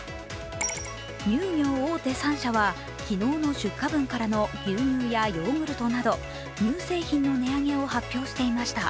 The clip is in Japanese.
乳業大手３社は昨日の出荷分からの牛乳やヨーグルトなど乳製品の値上げを発表していました。